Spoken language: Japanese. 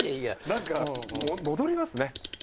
何か戻りますね。